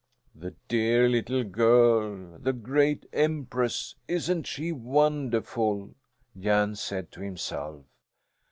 "The dear little girl, the great Empress, isn't she wonderful!" Jan said to himself.